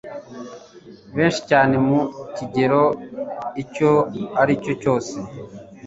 Benshi cyane mu kigero icyo aricyo cyose